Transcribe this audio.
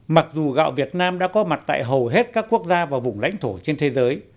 mặc dù gạo việt nam đã có mặt tại hầu hết các quốc gia và vùng lãnh thổ trên thế giới